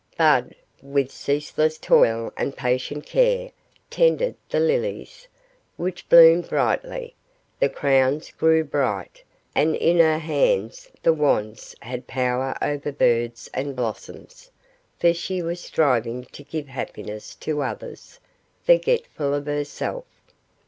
Bud, with ceaseless toil and patient care, tended the lilies, which bloomed brightly, the crowns grew bright, and in her hands the wands had power over birds and blossoms, for she was striving to give happiness to others, forgetful of herself.